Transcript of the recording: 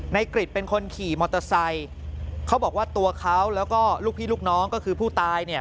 กริจเป็นคนขี่มอเตอร์ไซค์เขาบอกว่าตัวเขาแล้วก็ลูกพี่ลูกน้องก็คือผู้ตายเนี่ย